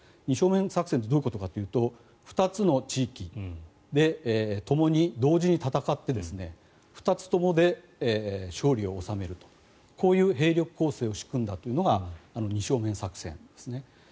二正面作戦ってどういうことかというと２つの地域でともに同時に戦って２つともで勝利を収めるというこういう兵力構成を敷くんだというのが二正面作戦ですね。